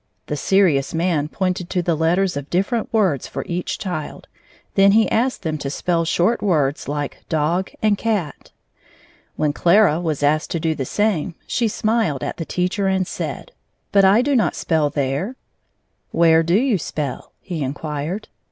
The serious man pointed to the letters of different words for each child, then he asked them to spell short words like dog and cat. When Clara was asked to do the same, she smiled at the teacher and said: "But I do not spell there!" "Where do you spell?" he inquired.